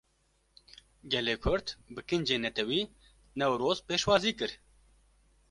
Gelê Kurd, bi kincên Netewî Newroz pêşwazî kir